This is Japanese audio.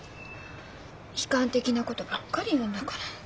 悲観的なことばっかり言うんだから。